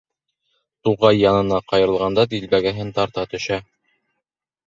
Туғай янынан ҡайырылғанда дилбегәһен тарта төшә.